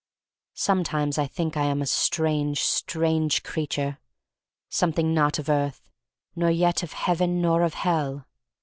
Sometimes I think I am a strange, strange creature — something not of earth, nor yet of heaven, nor of hell.